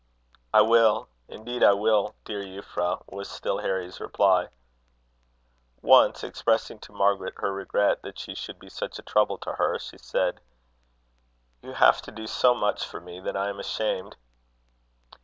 "I will; indeed I will, dear Euphra," was still Harry's reply. Once, expressing to Margaret her regret that she should be such a trouble to her, she said: "You have to do so much for me, that I am ashamed."